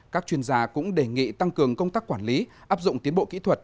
các chuyên gia cũng đề nghị tăng cường công tác quản lý áp dụng tiến bộ kỹ thuật